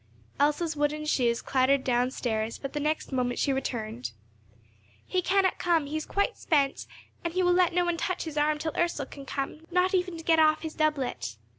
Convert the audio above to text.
Else's wooden shoes clattered down stairs, but the next moment she returned. "He cannot come; he is quite spent, and he will let no one touch his arm till Ursel can come, not even to get off his doublet."